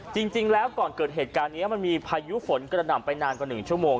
จริงแล้วก่อนเกิดเหตุการณ์นี้มันมีพายุฝนกระหน่ำไปนานกว่า๑ชั่วโมง